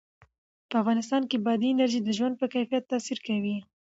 په افغانستان کې بادي انرژي د ژوند په کیفیت تاثیر کوي.